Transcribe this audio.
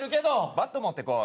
バット持ってこい。